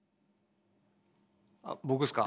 あ僕っすか？